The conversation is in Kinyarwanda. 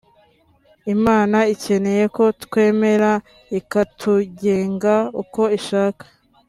Imana ikeneye ko twemera ikatugenga uko ishaka